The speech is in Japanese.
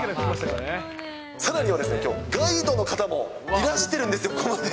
さらにはですね、きょう、ガイドの方もいらしてるんですよ、ここまで。